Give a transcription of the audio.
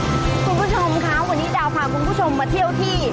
คุณผู้ชมคะวันนี้ดาวพาคุณผู้ชมมาเที่ยวที่